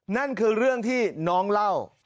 นั่นคือเรื่องที่น้องเล่า